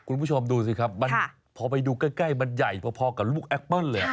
คุณผู้ชมดูสิครับพอไปดูใกล้มันใหญ่พอกับลูกแอปเปิ้ลเลย